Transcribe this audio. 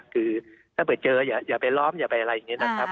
คือถ้าเผื่อเจออย่าไปล้อมอย่าไปอะไรอย่างนี้นะครับ